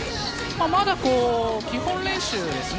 まだ基本練習です。